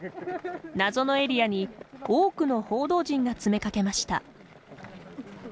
謎のエリアに多くの報道陣が詰めかけました。